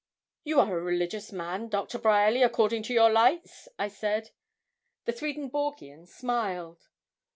'You are a religious man, Doctor Bryerly, according to your lights?' I said. The Swedenborgian smiled.